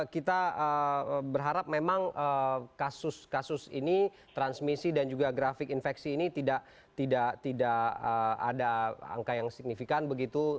kita berharap memang kasus kasus ini transmisi dan juga grafik infeksi ini tidak ada angka yang signifikan begitu